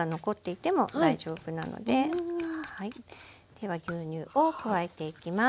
では牛乳を加えていきます。